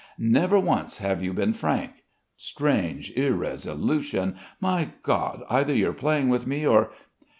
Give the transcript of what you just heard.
Never once have you been frank. Strange irresolution. My God, either you're playing with me, or...."